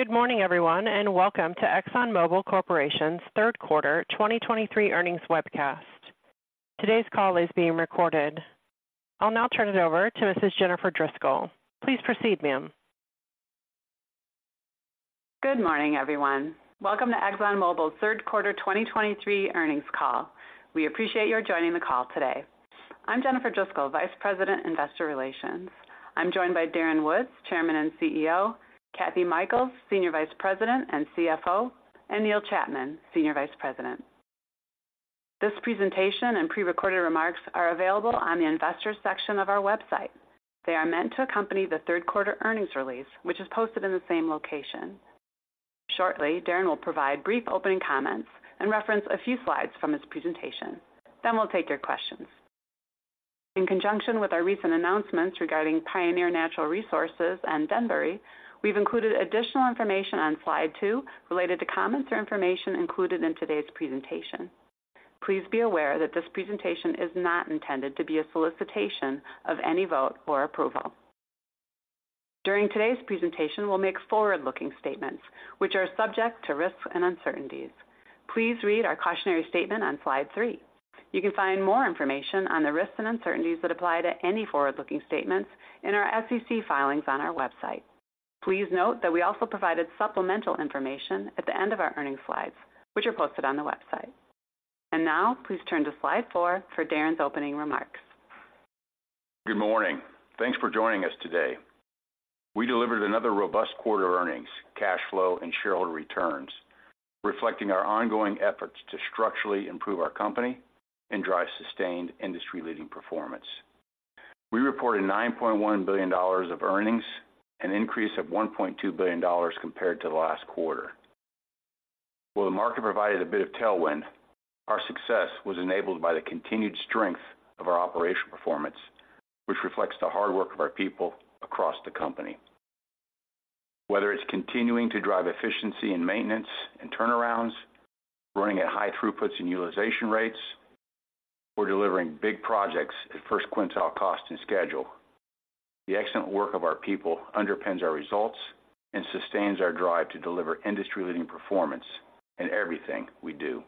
Good morning, everyone, and welcome to Exxon Mobil Corporation's third quarter 2023 earnings webcast. Today's call is being recorded. I'll now turn it over to Mrs. Jennifer Driscoll. Please proceed, ma'am. Good morning, everyone. Welcome to Exxon Mobil's third quarter 2023 earnings call. We appreciate your joining the call today. I'm Jennifer Driscoll, Vice President, Investor Relations. I'm joined by Darren Woods, Chairman and CEO, Kathy Mikells, Senior Vice President and CFO, and Neil Chapman, Senior Vice President. This presentation and prerecorded remarks are available on the investors section of our website. They are meant to accompany the third quarter earnings release, which is posted in the same location. Shortly, Darren will provide brief opening comments and reference a few slides from his presentation. Then we'll take your questions. In conjunction with our recent announcements regarding Pioneer Natural Resources and Denbury, we've included additional information on slide two related to comments or information included in today's presentation. Please be aware that this presentation is not intended to be a solicitation of any vote or approval. During today's presentation, we'll make forward-looking statements which are subject to risks and uncertainties. Please read our cautionary statement on slide three. You can find more information on the risks and uncertainties that apply to any forward-looking statements in our SEC filings on our website. Please note that we also provided supplemental information at the end of our earnings slides, which are posted on the website. And now please turn to slide four for Darren's opening remarks. Good morning. Thanks for joining us today. We delivered another robust quarter of earnings, cash flow, and shareholder returns, reflecting our ongoing efforts to structurally improve our company and drive sustained industry-leading performance. We reported $9.1 billion of earnings, an increase of $1.2 billion compared to the last quarter. While the market provided a bit of tailwind, our success was enabled by the continued strength of our operational performance, which reflects the hard work of our people across the company. Whether it's continuing to drive efficiency in maintenance and turnarounds, running at high throughputs and utilization rates, or delivering big projects at first quintile cost and schedule, the excellent work of our people underpins our results and sustains our drive to deliver industry-leading performance in everything we do.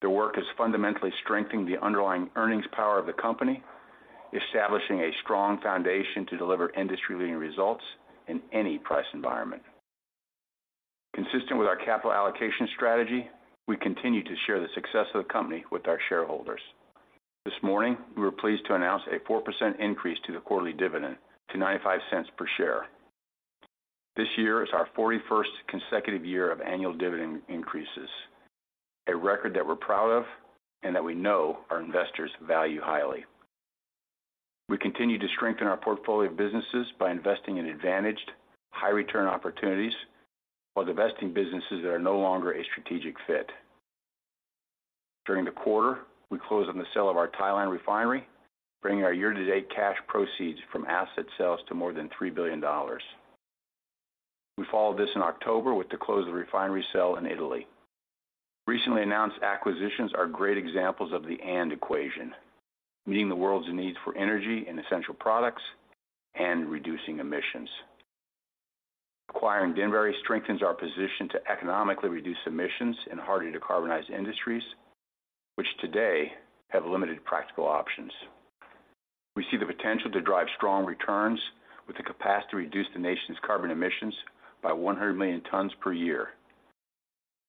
Their work is fundamentally strengthening the underlying earnings power of the company, establishing a strong foundation to deliver industry-leading results in any price environment. Consistent with our capital allocation strategy, we continue to share the success of the company with our shareholders. This morning, we were pleased to announce a 4% increase to the quarterly dividend to $0.95 per share. This year is our 41st consecutive year of annual dividend increases, a record that we're proud of and that we know our investors value highly. We continue to strengthen our portfolio of businesses by investing in advantaged, high return opportunities while divesting businesses that are no longer a strategic fit. During the quarter, we closed on the sale of our Thailand refinery, bringing our year-to-date cash proceeds from asset sales to more than $3 billion. We followed this in October with the close of the refinery sale in Italy. Recently announced acquisitions are great examples of the and equation, meeting the world's needs for energy and essential products and reducing emissions. Acquiring Denbury strengthens our position to economically reduce emissions in hard-to-decarbonize industries, which today have limited practical options. We see the potential to drive strong returns with the capacity to reduce the nation's carbon emissions by 100 million tons per year.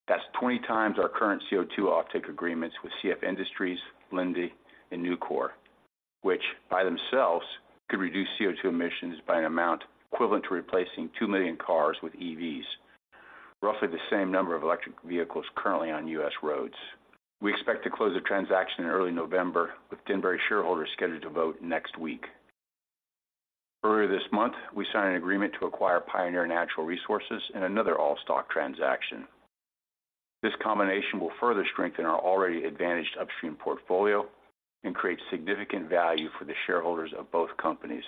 That's 20 times our current CO₂ offtake agreements with CF Industries, Linde and Nucor, which by themselves could reduce CO₂ emissions by an amount equivalent to replacing 2 million cars with EVs, roughly the same number of electric vehicles currently on U.S. roads. We expect to close the transaction in early November, with Denbury shareholders scheduled to vote next week. Earlier this month, we signed an agreement to acquire Pioneer Natural Resources in another all-stock transaction. This combination will further strengthen our already advantaged upstream portfolio and create significant value for the shareholders of both companies.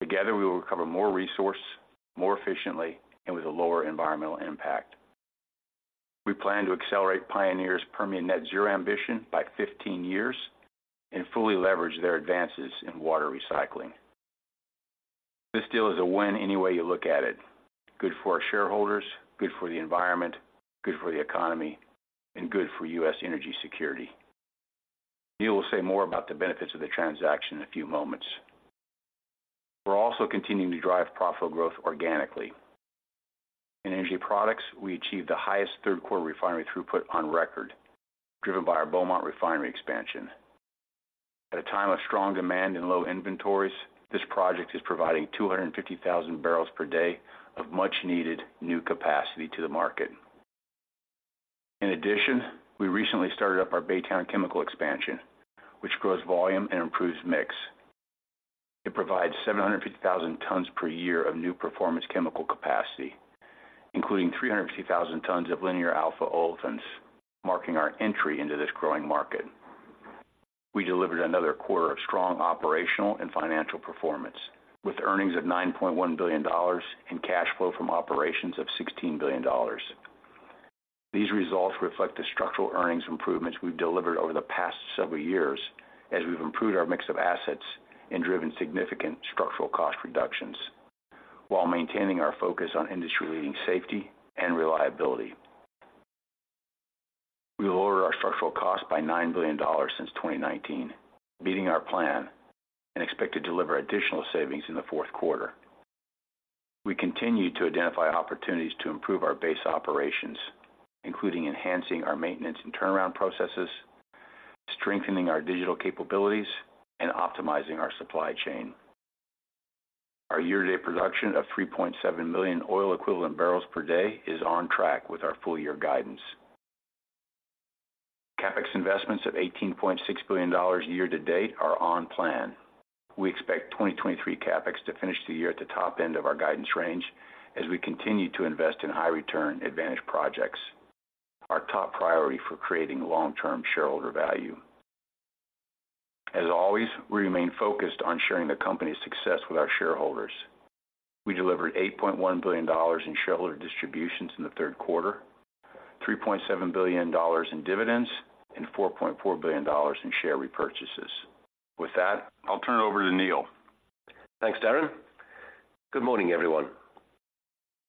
Together, we will recover more resources, more efficiently and with a lower environmental impact. We plan to accelerate Pioneer's Permian Net Zero ambition by 15 years and fully leverage their advances in water recycling. This deal is a win any way you look at it. Good for our shareholders, good for the environment, good for the economy, and good for U.S. energy security. Neil will say more about the benefits of the transaction in a few moments. We're also continuing to drive profitable growth organically. In energy products, we achieved the highest third quarter refinery throughput on record, driven by our Beaumont refinery expansion. At a time of strong demand and low inventories, this project is providing 250,000 barrels per day of much needed new capacity to the market. In addition, we recently started up our Baytown chemical expansion, which grows volume and improves mix. It provides 750,000 tons per year of new performance chemical capacity, including 350,000 tons of linear alpha olefins, marking our entry into this growing market. We delivered another quarter of strong operational and financial performance, with earnings of $9.1 billion and cash flow from operations of $16 billion. These results reflect the structural earnings improvements we've delivered over the past several years, as we've improved our mix of assets and driven significant structural cost reductions, while maintaining our focus on industry-leading safety and reliability. We lowered our structural costs by $9 billion since 2019, beating our plan, and expect to deliver additional savings in the fourth quarter. We continue to identify opportunities to improve our base operations, including enhancing our maintenance and turnaround processes, strengthening our digital capabilities, and optimizing our supply chain. Our year-to-date production of 3.7 million oil-equivalent barrels per day is on track with our full-year guidance. CapEx investments of $18.6 billion year-to-date are on plan. We expect 2023 CapEx to finish the year at the top end of our guidance range as we continue to invest in high-return advantaged projects, our top priority for creating long-term shareholder value. As always, we remain focused on sharing the company's success with our shareholders. We delivered $8.1 billion in shareholder distributions in the third quarter, $3.7 billion in dividends, and $4.4 billion in share repurchases. With that, I'll turn it over to Neil. Thanks, Darren. Good morning, everyone.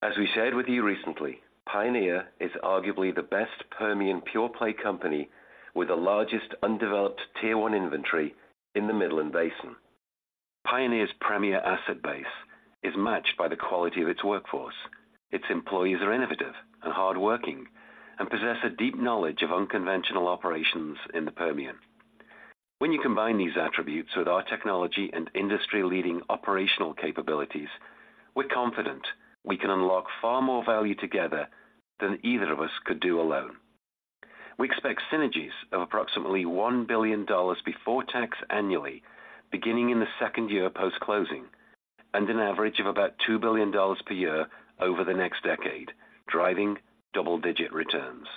As we shared with you recently, Pioneer is arguably the best Permian pure-play company with the largest undeveloped tier one Inventory in the Midland Basin. Pioneer's premier asset base is matched by the quality of its workforce. Its employees are innovative and hardworking, and possess a deep knowledge of unconventional operations in the Permian. When you combine these attributes with our technology and industry-leading operational capabilities, we're confident we can unlock far more value together than either of us could do alone. We expect synergies of approximately $1 billion before tax annually, beginning in the second year post-closing, and an average of about $2 billion per year over the next decade, driving double-digit returns.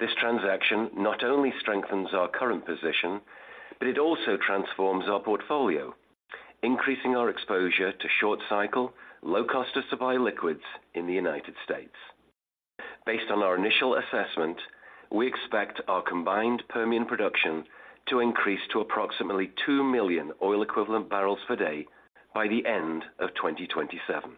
This transaction not only strengthens our current position, but it also transforms our portfolio, increasing our exposure to short cycle, low cost of supply liquids in the United States. Based on our initial assessment, we expect our combined Permian production to increase to approximately 2 million oil-equivalent barrels per day by the end of 2027.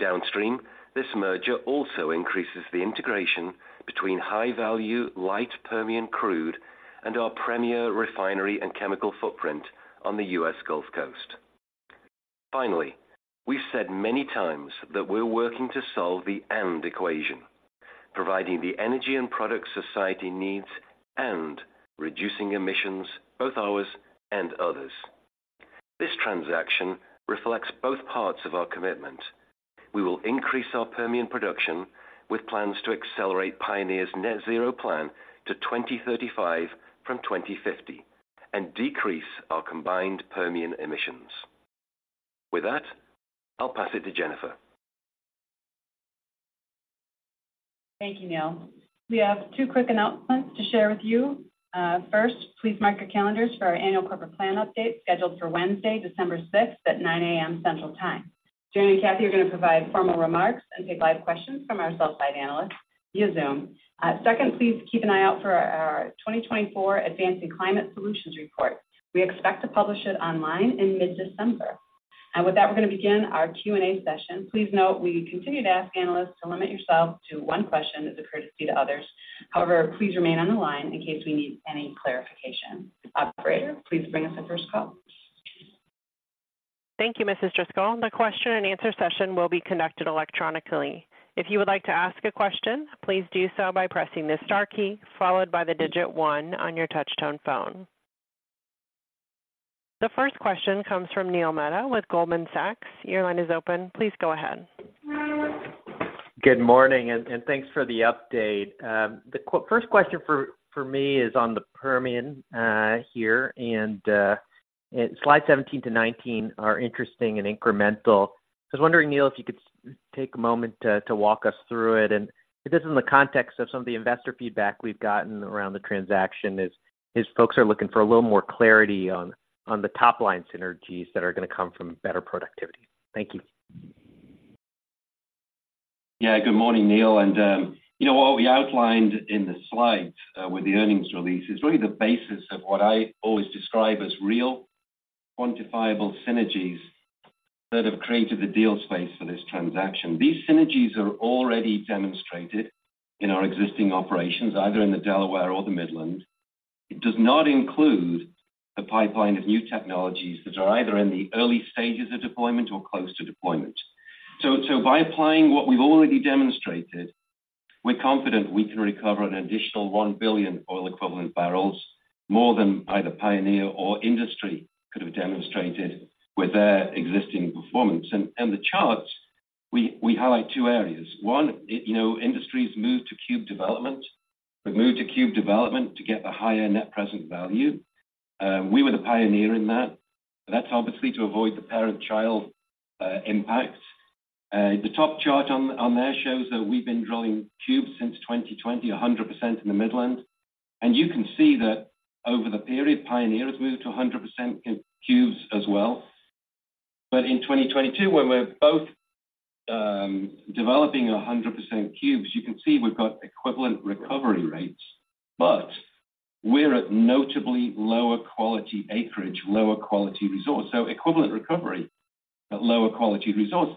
Downstream, this merger also increases the integration between high-value light Permian crude and our premier refinery and chemical footprint on the U.S. Gulf Coast. Finally, we've said many times that we're working to solve the energy equation, providing the energy and products society needs and reducing emissions, both ours and others. This transaction reflects both parts of our commitment. We will increase our Permian production with plans to accelerate Pioneer's net zero plan to 2035 from 2050 and decrease our combined Permian emissions. With that, I'll pass it to Jennifer. Thank you, Neil. We have two quick announcements to share with you. First, please mark your calendars for our annual corporate plan update, scheduled for Wednesday, December 6, at 9:00 A.M. Central Time. Darren and Kathy are going to provide formal remarks and take live questions from our sell-side analysts via Zoom. Second, please keep an eye out for our 2024 Advancing Climate Solutions report. We expect to publish it online in mid-December. And with that, we're going to begin our Q&A session. Please note, we continue to ask analysts to limit yourself to one question as a courtesy to others. However, please remain on the line in case we need any clarification. Operator, please bring us the first call. Thank you, Mrs. Driscoll. The question and answer session will be conducted electronically. If you would like to ask a question, please do so by pressing the star key, followed by the digit one on your touchtone phone. The first question comes from Neil Mehta with Goldman Sachs. Your line is open. Please go ahead. Good morning, and thanks for the update. The first question for me is on the Permian here, and slides 17 to 19 are interesting and incremental. I was wondering, Neil, if you could take a moment to walk us through it. Just in the context of some of the investor feedback we've gotten around the transaction, folks are looking for a little more clarity on the top line synergies that are going to come from better productivity. Thank you. Yeah, good morning, Neil. And you know, what we outlined in the slides with the earnings release is really the basis of what I always describe as real quantifiable synergies that have created the deal space for this transaction. These synergies are already demonstrated in our existing operations, either in the Delaware or the Midland. It does not include the pipeline of new technologies that are either in the early stages of deployment or close to deployment. So by applying what we've already demonstrated, we're confident we can recover an additional 1 billion oil equivalent barrels, more than either Pioneer or industry could have demonstrated with their existing performance. And the charts, we highlight two areas. One, you know, industry's moved to cube development. We've moved to cube development to get the higher net present value. We were the pioneer in that. That's obviously to avoid the parent-child impacts. The top chart on there shows that we've been drilling cubes since 2020, 100% in the Midland. And you can see that over the period, Pioneer has moved to 100% in cubes as well. But in 2022, when we're both developing 100% cubes, you can see we've got equivalent recovery rates, but we're at notably lower quality acreage, lower quality resource. So equivalent recovery at lower quality resource.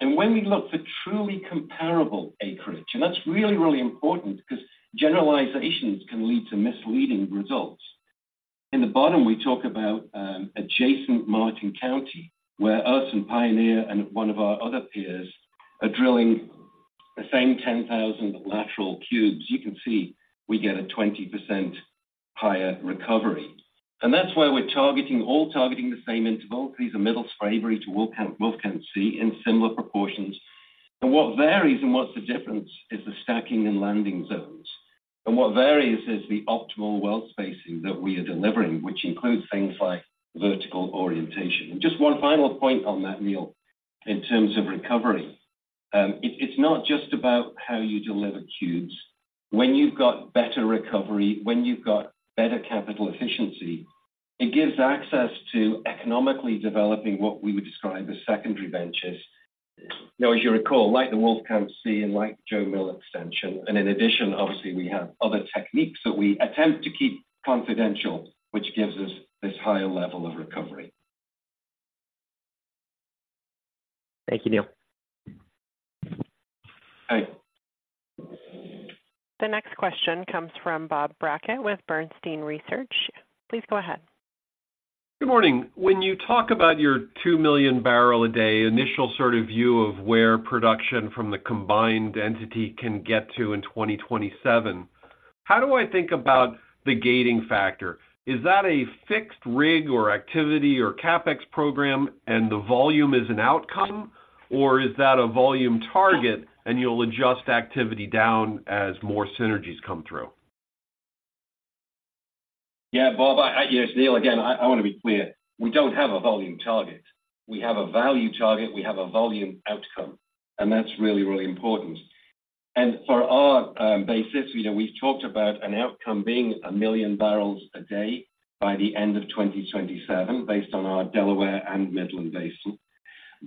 And when we look for truly comparable acreage, and that's really, really important because generalizations can lead to misleading results. In the bottom, we talk about adjacent Martin County, where us and Pioneer and one of our other peers are drilling the same 10,000 lateral cubes. You can see we get a 20% higher recovery. That's why we're targeting, all targeting the same interval. These are Middle Spraberry to Wolfcamp, Wolfcamp C in similar proportions. What varies and what's the difference is the stacking and landing zones. What varies is the optimal well spacing that we are delivering, which includes things like vertical orientation. Just one final point on that, Neil, in terms of recovery. It's not just about how you deliver cubes. When you've got better recovery, when you've got better capital efficiency, it gives access to economically developing what we would describe as secondary benches. Now, as you recall, like the Wolfcamp C and like Jo Mill extension, and in addition, obviously, we have other techniques that we attempt to keep confidential, which gives us this higher level of recovery. Thank you, Neil. Yeap. The next question comes from Bob Brackett with Bernstein Research. Please go ahead. Good morning. When you talk about your 2 million barrel a day initial sort of view of where production from the combined entity can get to in 2027, how do I think about the gating factor? Is that a fixed rig or activity or CapEx program, and the volume is an outcome, or is that a volume target, and you'll adjust activity down as more synergies come through? Yeah, Bob, yes, Neil, again, I want to be clear. We don't have a volume target. We have a value target. We have a volume outcome, and that's really, really important. And for our basis, you know, we've talked about an outcome being 1 million barrels a day by the end of 2027, based on our Delaware and Midland Basin.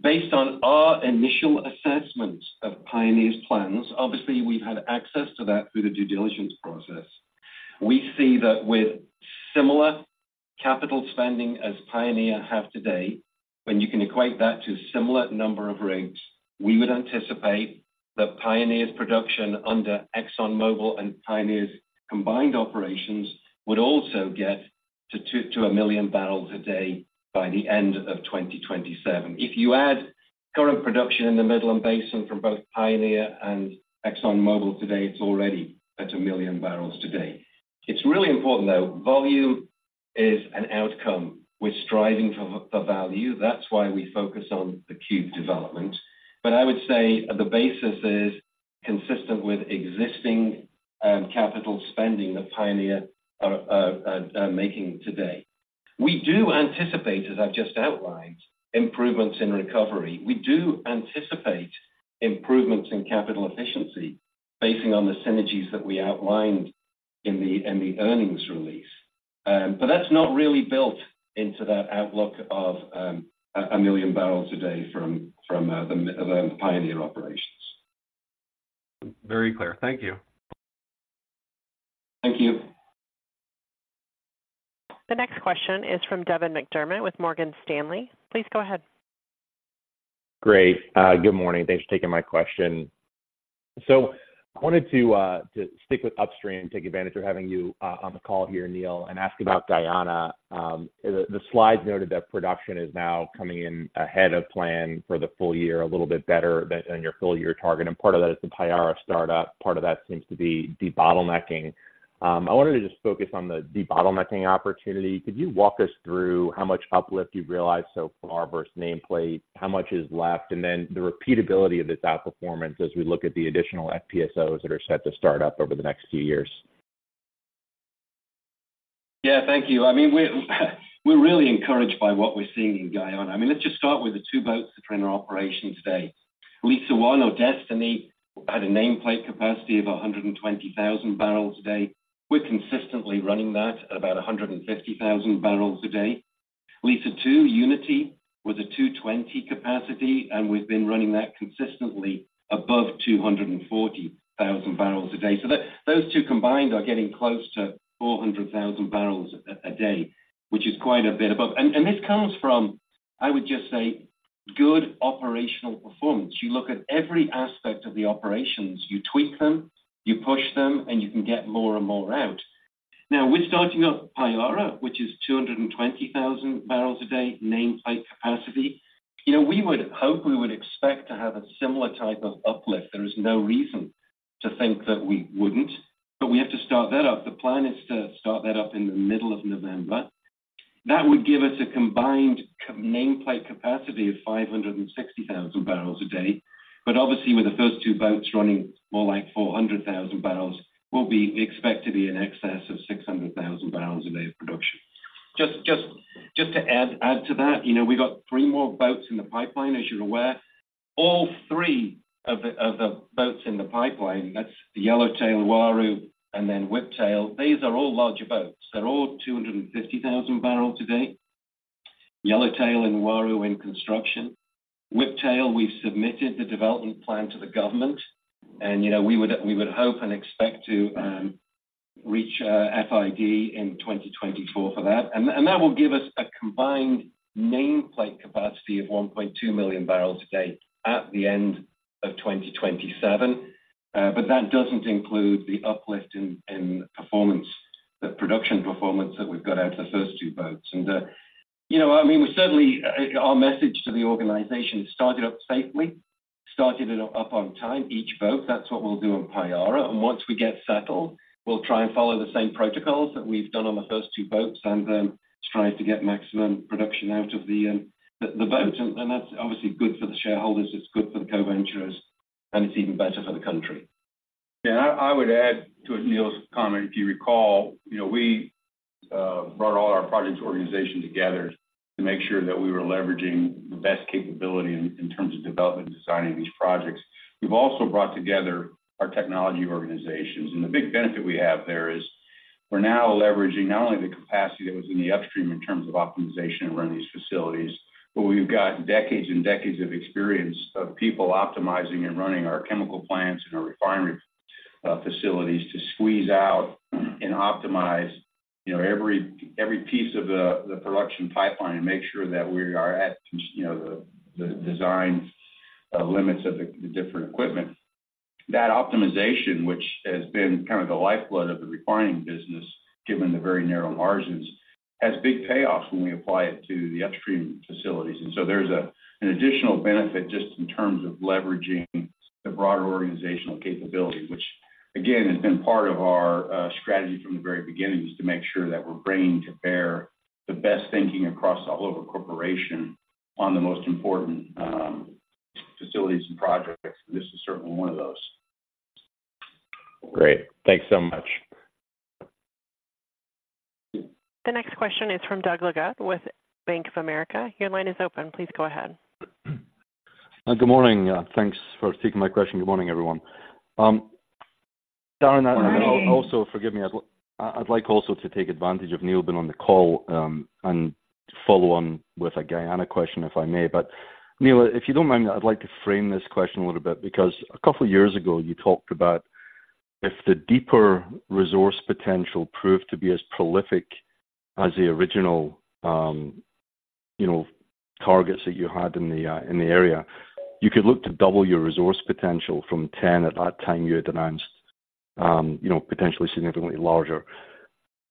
Based on our initial assessment of Pioneer's plans, obviously, we've had access to that through the due diligence process. We see that with similar capital spending as Pioneer have today, when you can equate that to similar number of rigs, we would anticipate that Pioneer's production under Exxon Mobil and Pioneer's combined operations would also get to 1 million barrels a day by the end of 2027. If you add current production in the Midland Basin from both Pioneer and Exxon Mobil today, it's already at 1 million barrels today. It's really important, though, volume is an outcome. We're striving for a value. That's why we focus on the cube development. But I would say the basis is consistent with existing capital spending that Pioneer are making today. We do anticipate, as I've just outlined, improvements in recovery. We do anticipate improvements in capital efficiency, based on the synergies that we outlined in the earnings release. But that's not really built into that outlook of a 1 million barrels a day from the Midland Pioneer operations. Very clear. Thank you. Thank you. The next question is from Devin McDermott with Morgan Stanley. Please go ahead. Great. Good morning. Thanks for taking my question. So I wanted to stick with upstream and take advantage of having you on the call here, Neil, and ask about Guyana. The slides noted that production is now coming in ahead of plan for the full year, a little bit better than your full-year target, and part of that is the Payara startup. Part of that seems to be debottlenecking. I wanted to just focus on the debottlenecking opportunity. Could you walk us through how much uplift you've realized so far versus nameplate? How much is left? And then the repeatability of this outperformance as we look at the additional FPSOs that are set to start up over the next few years. Yeah, thank you. I mean, we're, we're really encouraged by what we're seeing in Guyana. I mean, let's just start with the two boats that are in our operation today. Liza One Destiny had a nameplate capacity of 120,000 barrels a day. We're consistently running that at about 150,000 barrels a day. Liza Two Unity was a 220,000 capacity, and we've been running that consistently above 240,000 barrels a day. So those two combined are getting close to 400,000 barrels a day, which is quite a bit above. And this comes from, I would just say, good operational performance. You look at every aspect of the operations, you tweak them, you push them, and you can get more and more out. Now, we're starting up Payara, which is 220,000 barrels a day, nameplate capacity. You know, we would hope we would expect to have a similar type of uplift. There is no reason to think that we wouldn't, but we have to start that up. The plan is to start that up in the middle of November. That would give us a combined nameplate capacity of 560,000 barrels a day. But obviously, with the first two boats running more like 400,000 barrels, we'll expect to be in excess of 600,000 barrels a day of production. Just to add to that, you know, we got three more boats in the pipeline, as you're aware. All three of the boats in the pipeline, that's the Yellowtail, Uaru, and then Whiptail. These are all larger boats. They're all 250,000 barrels a day. Yellowtail and Uaru in construction. Whiptail, we've submitted the development plan to the government, and, you know, we would hope and expect to reach FID in 2024 for that. And that will give us a combined nameplate capacity of 1.2 million barrels a day at the end of 2027. But that doesn't include the uplift in performance, the production performance that we've got out of the first two boats. And, you know, I mean, we certainly, our message to the organization, start it up safely, start it up on time, each boat. That's what we'll do on Payara, and once we get settled, we'll try and follow the same protocols that we've done on the first two boats, and strive to get maximum production out of the boat. And that's obviously good for the shareholders, it's good for the coventurers, and it's even better for the country. Yeah, I would add to Neil's comment, if you recall, you know, we brought all our projects organization together to make sure that we were leveraging the best capability in terms of developing and designing these projects. We've also brought together our technology organizations, and the big benefit we have there is we're now leveraging not only the capacity that was in the upstream in terms of optimization and running these facilities, but we've got decades and decades of experience of people optimizing and running our chemical plants and our refinery facilities to squeeze out and optimize, you know, every piece of the production pipeline and make sure that we are at, you know, the design limits of the different equipment. That optimization, which has been kind of the lifeblood of the refining business, given the very narrow margins, has big payoffs when we apply it to the upstream facilities. And so there's an additional benefit just in terms of leveraging the broader organizational capability, which again, has been part of our strategy from the very beginning, is to make sure that we're bringing to bear the best thinking across all over corporation on the most important facilities and projects. This is certainly one of those. Great. Thanks so much. The next question is from Doug Leggate with Bank of America. Your line is open. Please go ahead. Good morning. Thanks for taking my question. Good morning, everyone. Darren, also, forgive me, I'd like also to take advantage of Neil being on the call, and follow on with a Guyana question, if I may. But Neil, if you don't mind, I'd like to frame this question a little bit, because a couple of years ago, you talked about if the deeper resource potential proved to be as prolific as the original, you know, targets that you had in the area, you could look to double your resource potential from 10 at that time you had announced, you know, potentially significantly larger.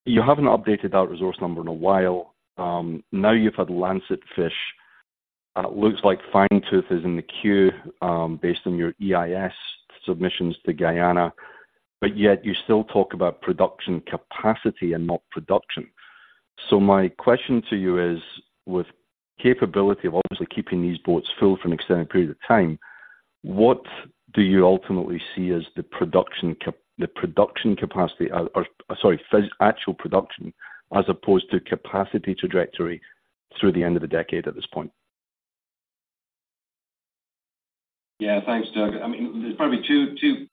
You haven't updated that resource number in a while. Now you've had Lancetfish. It looks like Fangtooth is in the queue, based on your EIS submissions to Guyana, but yet you still talk about production capacity and not production. So my question to you is, with capability of obviously keeping these boats full for an extended period of time, what do you ultimately see as the production cap, the production capacity, or, or sorry, actual production as opposed to capacity trajectory through the end of the decade at this point? Yeah. Thanks, Doug. I mean, there's probably two, two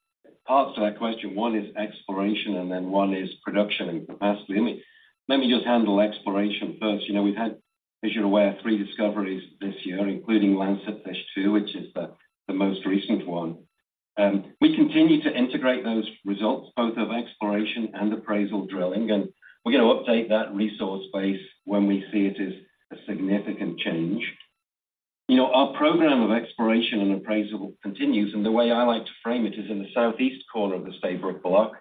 parts to that question. One is exploration, and then one is production and capacity. Let me, let me just handle exploration first. You know, we've had, as you're aware, three discoveries this year, including Lancetfish Two, which is the, the most recent one. We continue to integrate those results, both of exploration and appraisal drilling, and we're gonna update that resource base when we see it as a significant change. You know, our program of exploration and appraisal continues, and the way I like to frame it is in the southeast corner of the Stabroek Block,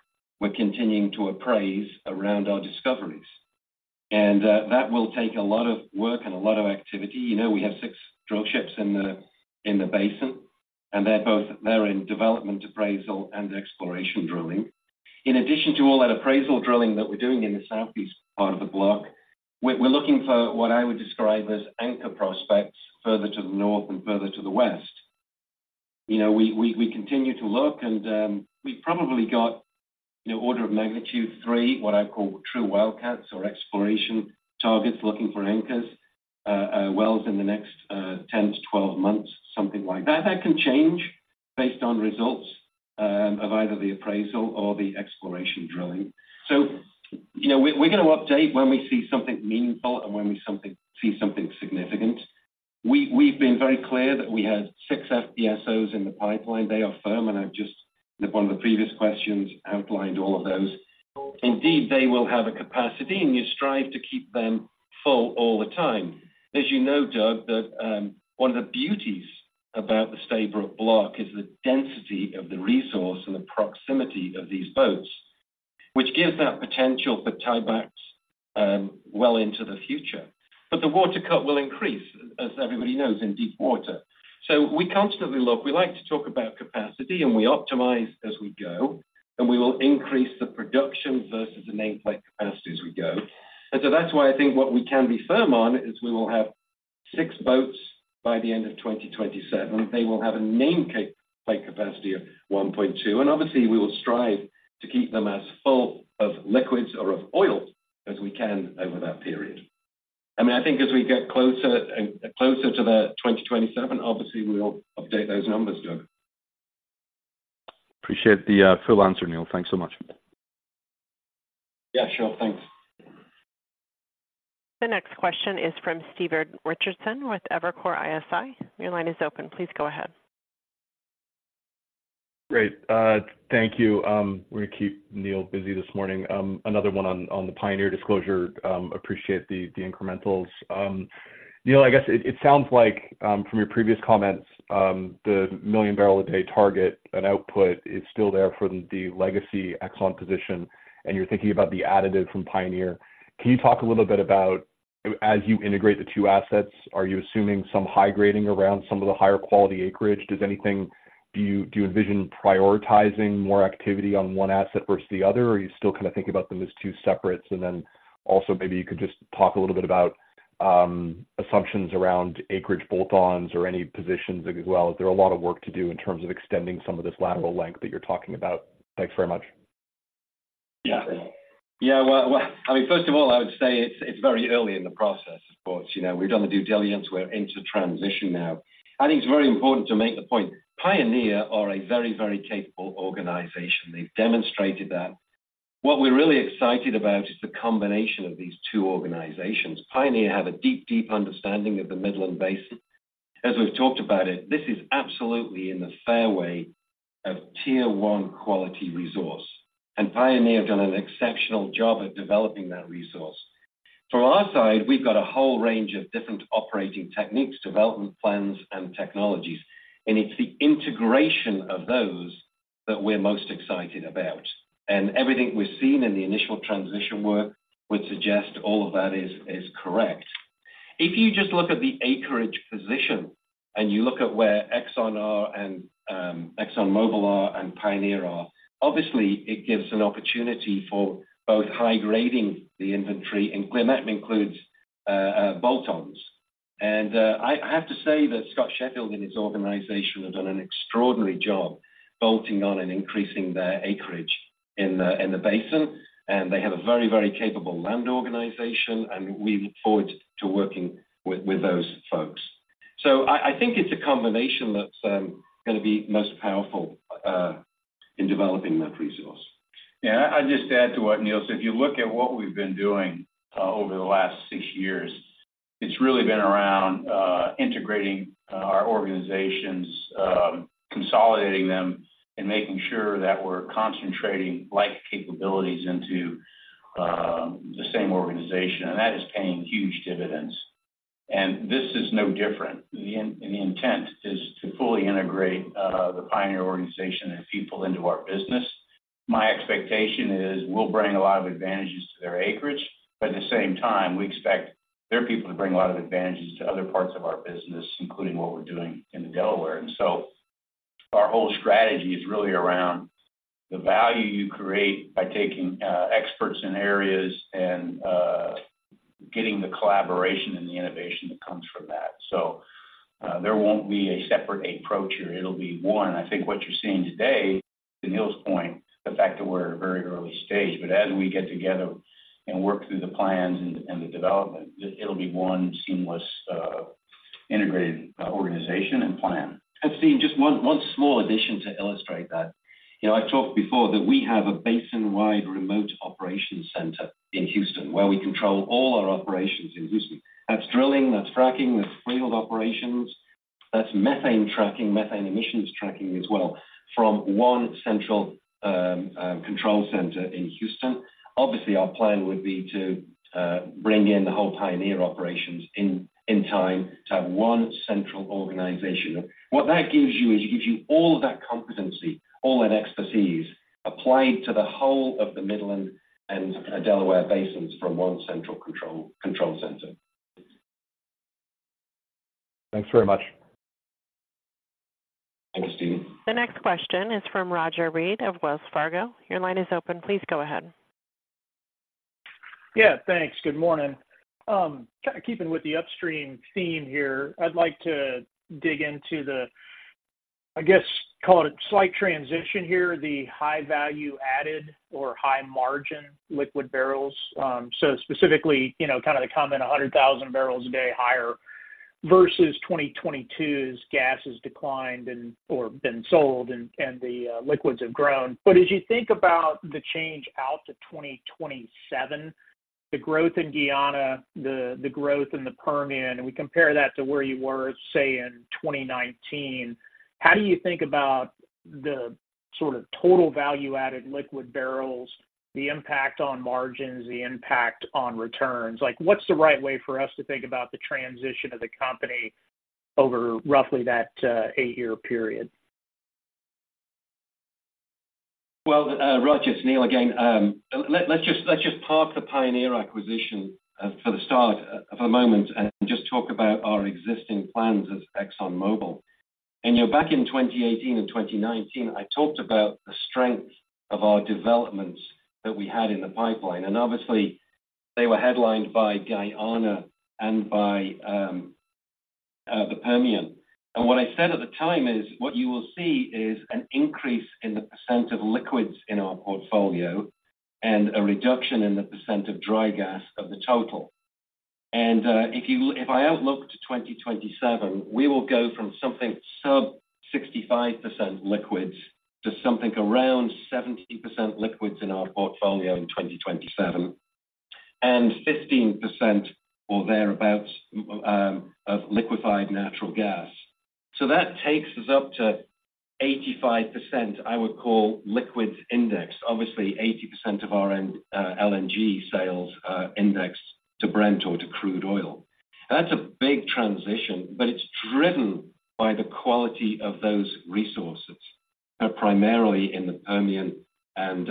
we're continuing to appraise around our discoveries. And, that will take a lot of work and a lot of activity. You know, we have six drill ships in the, in the basin, and they're both-- they're in development, appraisal, and exploration drilling. In addition to all that appraisal drilling that we're doing in the southeast part of the block, we're looking for what I would describe as anchor prospects further to the north and further to the west. You know, we continue to look and, we've probably got, you know, order of magnitude three, what I call true wildcats or exploration targets, looking for anchors, wells in the next 10-12 months, something like that. That can change based on results of either the appraisal or the exploration drilling. So, you know, we're gonna update when we see something meaningful and when we see something significant. We've been very clear that we had 6 FPSOs in the pipeline. They are firm, and I've just in one of the previous questions outlined all of those. Indeed, they will have a capacity, and you strive to keep them full all the time. As you know, Doug, that one of the beauties about the Stabroek Block is the density of the resource and the proximity of these boats, which gives that potential for tiebacks, well into the future. But the water cut will increase, as everybody knows, in deep water. So we constantly look. We like to talk about capacity, and we optimize as we go, and we will increase the production versus the nameplate capacity as we go. And so that's why I think what we can be firm on is we will have six boats by the end of 2027. They will have a nameplate capacity of 1.2, and obviously we will strive to keep them as full of liquids or of oil as we can over that period. I mean, I think as we get closer to 2027, obviously we'll update those numbers, Joe. Appreciate the full answer, Neil. Thanks so much. Yeah, sure. Thanks. The next question is from Steve Richardson with Evercore ISI. Your line is open. Please go ahead. Great. Thank you. We're gonna keep Neil busy this morning. Another one on the Pioneer disclosure. Appreciate the incrementals. Neil, I guess it sounds like from your previous comments, the 1 million barrel a day target and output is still there for the legacy Exxon position, and you're thinking about the additive from Pioneer. Can you talk a little bit about, as you integrate the two assets, are you assuming some high grading around some of the higher quality acreage? Does anything—do you envision prioritizing more activity on one asset versus the other, or are you still kinda thinking about them as two separates? Also, maybe you could just talk a little bit about assumptions around acreage bolt-ons or any positions as well. Is there a lot of work to do in terms of extending some of this lateral length that you're talking about? Thanks very much. Yeah. Yeah, well, well, I mean, first of all, I would say it's very early in the process. Of course, you know, we've done the due diligence; we're into transition now. I think it's very important to make the point: Pioneer is a very, very capable organization. They've demonstrated that. What we're really excited about is the combination of these two organizations. Pioneer has a deep, deep understanding of the Midland Basin. As we've talked about, it is absolutely in the fairway of tier one quality resource, and Pioneer has done an exceptional job at developing that resource. From our side, we've got a whole range of different operating techniques, development plans, and technologies, and it's the integration of those that we're most excited about. And everything we've seen in the initial transition work would suggest all of that is correct. If you just look at the acreage position and you look at where Exxon are and Exxon Mobil are and Pioneer are, obviously it gives an opportunity for both high grading the inventory, and that includes bolt-ons. And I have to say that Scott Sheffield and his organization have done an extraordinary job bolting on and increasing their acreage in the basin. And they have a very, very capable land organization, and we look forward to working with those folks. So I think it's a combination that's gonna be most powerful in developing that resource. Yeah, I'd just add to what Neil said. If you look at what we've been doing, over the last six years, it's really been around, integrating, our organizations, consolidating them and making sure that we're concentrating like capabilities into, the same organization. And that is paying huge dividends. And this is no different. The intent is to fully integrate, the Pioneer organization and people into our business. My expectation is we'll bring a lot of advantages to their acreage, but at the same time, we expect their people to bring a lot of advantages to other parts of our business, including what we're doing in the Delaware. And so our whole strategy is really around the value you create by taking, experts in areas and, getting the collaboration and the innovation that comes from that. So, there won't be a separate approach here. It'll be one. I think what you're seeing today, to Neil's point, the fact that we're at a very early stage, but as we get together and work through the plans and the development, it'll be one seamless, integrated, organization and plan. And Steve, just one small addition to illustrate that. You know, I've talked before that we have a basin-wide remote operation center in Houston, where we control all our operations in Houston. That's drilling, that's fracking, that's field operations, that's methane tracking, methane emissions tracking as well, from one central control center in Houston. Obviously, our plan would be to bring in the whole Pioneer operations in time to have one central organization. What that gives you is, it gives you all of that competency, all that expertise, applied to the whole of the Midland and Delaware basins from one central control center. Thanks very much. Thanks, Steve. The next question is from Roger Read of Wells Fargo. Your line is open. Please go ahead. Yeah, thanks. Good morning. Kinda keeping with the upstream theme here, I'd like to dig into the, I guess, call it a slight transition here, the high value added or high margin liquid barrels. So specifically, you know, kind of the comment, 100,000 barrels a day higher versus 2022's gas has declined and/or been sold and the liquids have grown. But as you think about the change out to 2027, the growth in Guyana, the growth in the Permian, and we compare that to where you were, say, in 2019, how do you think about the sort of total value-added liquid barrels, the impact on margins, the impact on returns? Like, what's the right way for us to think about the transition of the company over roughly that eight-year period? Well, Roger, it's Neil again. Let's just park the Pioneer acquisition for the start for a moment and just talk about our existing plans as Exxon Mobil. You know, back in 2018 and 2019, I talked about the strength of our developments that we had in the pipeline, and obviously they were headlined by Guyana and by the Permian. What I said at the time is, what you will see is an increase in the % of liquids in our portfolio and a reduction in the percent of dry gas of the total. If I outlook to 2027, we will go from something sub-65% liquids to something around 70% liquids in our portfolio in 2027, and 15% or thereabout of liquefied natural gas. So that takes us up to 85%, I would call liquids index. Obviously, 80% of our LNG sales are indexed to Brent or to crude oil. That's a big transition, but it's driven by the quality of those resources, primarily in the Permian and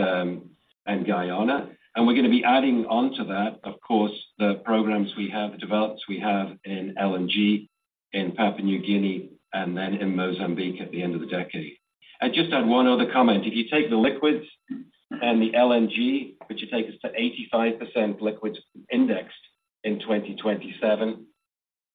Guyana. And we're gonna be adding on to that, of course, the programs we have developed, we have in LNG, in Papua New Guinea, and then in Mozambique at the end of the decade. I'd just add one other comment. If you take the liquids and the LNG, which will take us to 85% liquids indexed in 2027,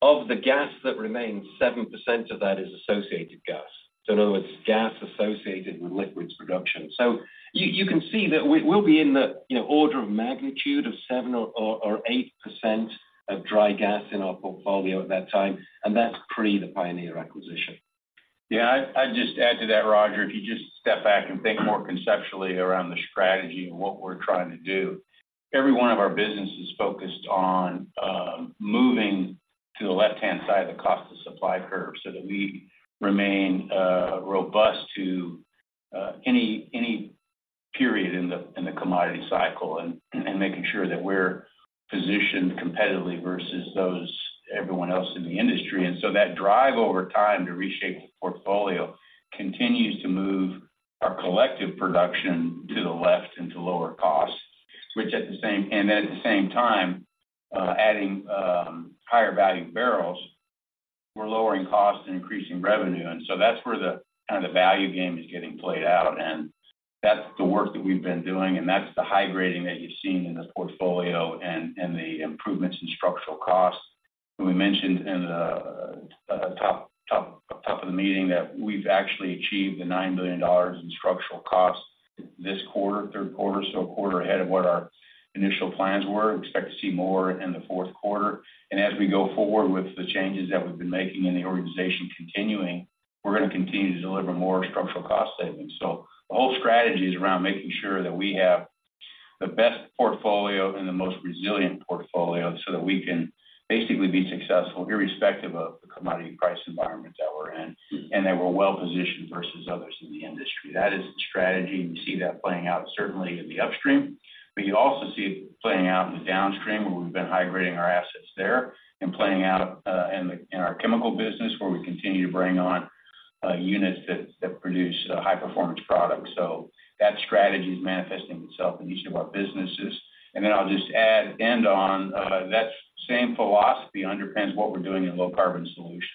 of the gas that remains, 7% of that is associated gas. So in other words, gas associated with liquids production. So you can see that we'll be in the, you know, order of magnitude of 7% or 8% of dry gas in our portfolio at that time, and that's pre the Pioneer acquisition. Yeah, I'd just add to that, Roger, if you just step back and think more conceptually around the strategy and what we're trying to do. Every one of our businesses is focused on moving to the left-hand side of the cost of supply curve so that we remain robust to any period in the commodity cycle and making sure that we're positioned competitively versus those everyone else in the industry. And so that drive over time to reshape the portfolio continues to move our collective production to the left and to lower costs, which at the same and at the same time, adding higher value barrels, we're lowering costs and increasing revenue. So that's where the, kind of, the value game is getting played out, and that's the work that we've been doing, and that's the high grading that you've seen in this portfolio and, and the improvements in structural costs. We mentioned in the top of the meeting that we've actually achieved $9 billion in structural costs this quarter, third quarter, so a quarter ahead of what our initial plans were. We expect to see more in the fourth quarter. And as we go forward with the changes that we've been making in the organization continuing, we're gonna continue to deliver more structural cost savings. So the whole strategy is around making sure that we have the best portfolio and the most resilient portfolio so that we can basically be successful, irrespective of the commodity price environment that we're in, and that we're well-positioned versus others in the industry. That is the strategy, and you see that playing out certainly in the upstream, but you also see it playing out in the downstream, where we've been high grading our assets there, and playing out in our chemical business, where we continue to bring on units that produce high-performance products. So that strategy is manifesting itself in each of our businesses. And then I'll just add, end on that same philosophy underpins what we're doing in low-carbon solutions.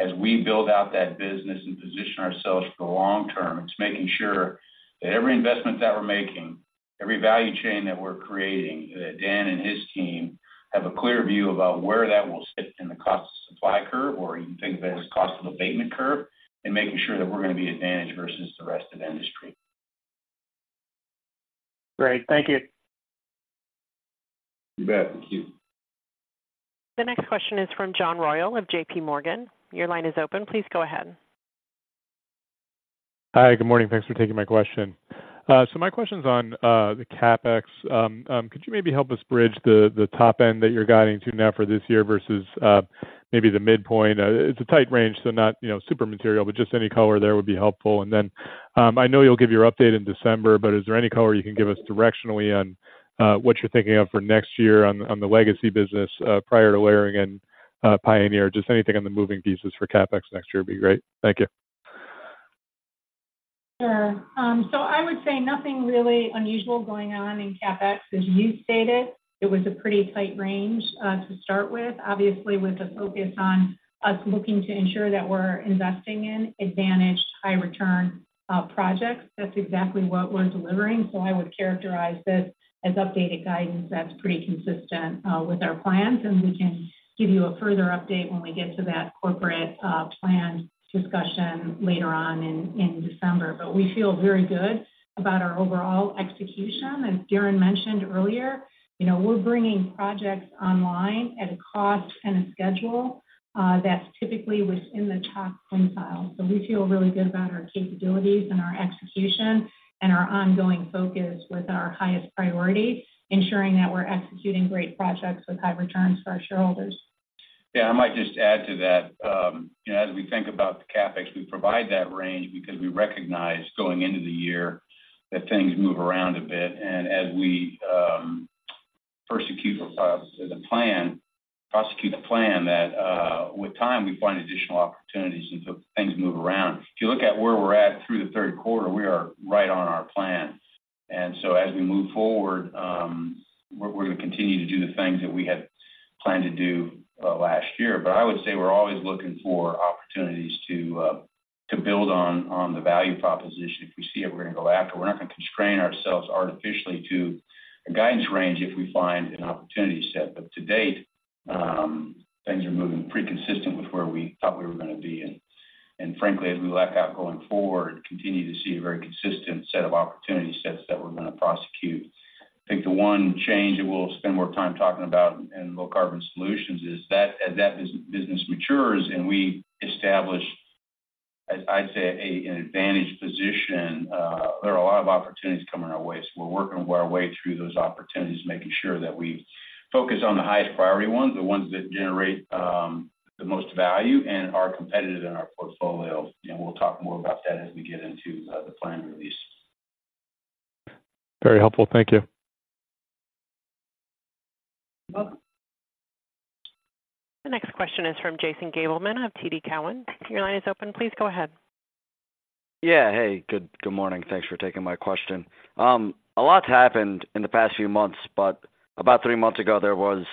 As we build out that business and position ourselves for the long term, it's making sure that every investment that we're making, every value chain that we're creating, that Dan and his team have a clear view about where that will sit in the cost of supply curve, or you can think of it as cost of abatement curve, and making sure that we're gonna be advantage versus the rest of the industry. Great. Thank you. You bet. Thank you. The next question is from John Royall of JPMorgan. Your line is open. Please go ahead. Hi, good morning. Thanks for taking my question. So my question's on the CapEx. Could you maybe help us bridge the top end that you're guiding to now for this year versus maybe the midpoint? It's a tight range, so not, you know, super material, but just any color there would be helpful. And then I know you'll give your update in December, but is there any color you can give us directionally on what you're thinking of for next year on the legacy business prior to layering in Pioneer? Just anything on the moving pieces for CapEx next year would be great. Thank you. Sure. So I would say nothing really unusual going on in CapEx. As you stated, it was a pretty tight range to start with. Obviously, with the focus on us looking to ensure that we're investing in advantaged high return projects. That's exactly what we're delivering. So I would characterize this as updated guidance that's pretty consistent with our plans, and we can give you a further update when we get to that corporate plan discussion later on in December. But we feel very good about our overall execution. As Darren mentioned earlier, you know, we're bringing projects online at a cost and a schedule that's typically within the top quintile. So we feel really good about our capabilities and our execution and our ongoing focus with our highest priority, ensuring that we're executing great projects with high returns for our shareholders. Yeah, I might just add to that. As we think about the CapEx, we provide that range because we recognize going into the year that things move around a bit. And as we prosecute the plan, with time, we find additional opportunities, and so things move around. If you look at where we're at through the third quarter, we are right on our plan. And so as we move forward, we're gonna continue to do the things that we had planned to do last year. But I would say we're always looking for opportunities to build on the value proposition. If we see it, we're gonna go after. We're not gonna constrain ourselves artificially to a guidance range if we find an opportunity set. But to date, things are moving pretty consistent with where we thought we were gonna be. And frankly, as we look out going forward, continue to see a very consistent set of opportunity sets that we're gonna prosecute. I think the one change that we'll spend more time talking about in low carbon solutions is that as that business matures and we establish, as I'd say, an advantage position, there are a lot of opportunities coming our way. So we're working our way through those opportunities, making sure that we focus on the highest priority ones, the ones that generate the most value and are competitive in our portfolio. And we'll talk more about that as we get into the plan release. Very helpful. Thank you. You're welcome. The next question is from Jason Gabelman of TD Cowen. Your line is open. Please go ahead. Yeah. Hey, good, good morning. Thanks for taking my question. A lot's happened in the past few months, but about three months ago, there was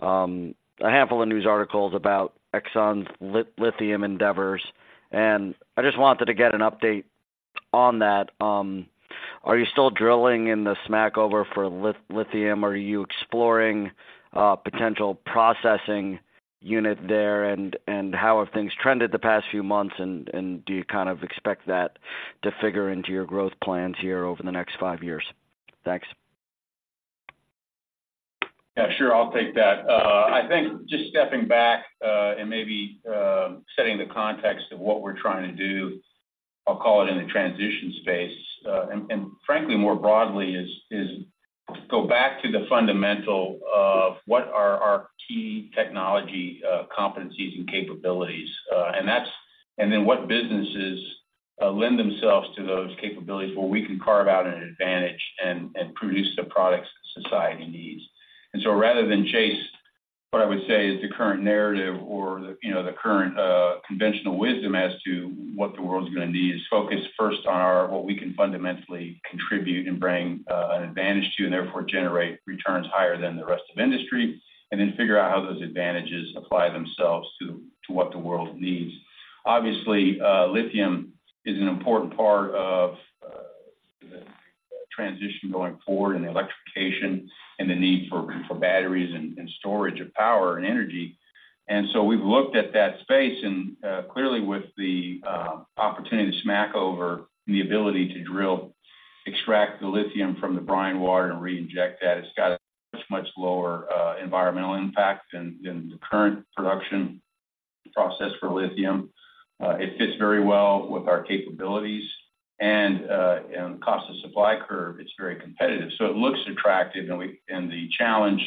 a handful of news articles about Exxon Mobil's lithium endeavors, and I just wanted to get an update on that. Are you still drilling in the Smackover for lithium, or are you exploring a potential processing unit there? And how have things trended the past few months, and do you kind of expect that to figure into your growth plans here over the next five years? Thanks. Yeah, sure. I'll take that. I think just stepping back, and maybe, setting the context of what we're trying to do, I'll call it in the transition space, and, and frankly, more broadly is to go back to the fundamental of what are our key technology competencies and capabilities? And that's, and then what businesses lend themselves to those capabilities where we can carve out an advantage and, and produce the products that society needs. And so rather than chase, what I would say is the current narrative or the, you know, the current, conventional wisdom as to what the world's gonna need, is focus first on our, what we can fundamentally contribute and bring, an advantage to, and therefore generate returns higher than the rest of industry, and then figure out how those advantages apply themselves to what the world needs. Obviously, lithium is an important part of the transition going forward and electrification and the need for batteries and storage of power and energy. And so we've looked at that space and, clearly, with the opportunity to Smackover and the ability to drill, extract the lithium from the brine water and reinject that, it's got a much, much lower environmental impact than the current production process for lithium. It fits very well with our capabilities and cost of supply curve. It's very competitive, so it looks attractive. And the challenge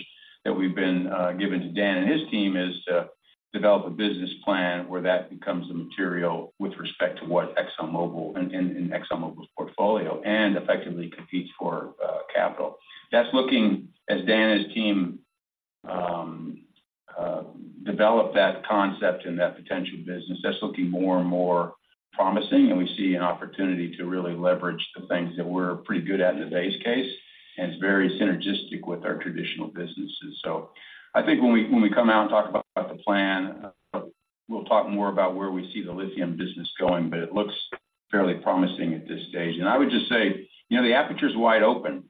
that we've been giving to Dan and his team is to develop a business plan where that becomes the material with respect to what Exxon Mobil and in Exxon Mobil's portfolio and effectively competes for capital. That's looking as Dan and his team develop that concept and that potential business. That's looking more and more promising, and we see an opportunity to really leverage the things that we're pretty good at in the base case, and it's very synergistic with our traditional businesses. So I think when we come out and talk about the plan, we'll talk more about where we see the lithium business going, but it looks fairly promising at this stage. And I would just say, you know, the aperture is wide open.